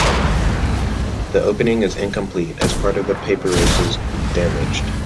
The opening is incomplete, as part of the papyrus was damaged.